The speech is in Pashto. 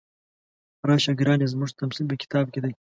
راشه ګرانې زموږ تمثیل په کتاب کې دی.